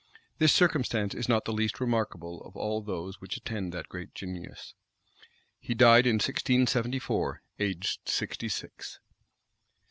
This circumstance is not the least remarkable of all those which attend that great genius. He died in 1674, aged sixty six.